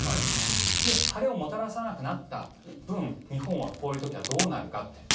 で、晴れをもたらさなくなった分日本はこういう時はどうなるかって。